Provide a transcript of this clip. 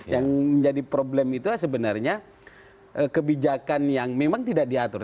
yang menjadi problem itu sebenarnya kebijakan yang memang tidak diatur